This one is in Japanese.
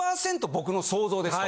僕の想像ですと。